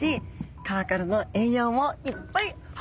川からの栄養もいっぱい運ばれてきます。